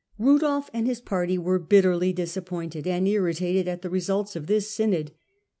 Rudolf and his party were bitterly disappointed and irritated at the results of this synod.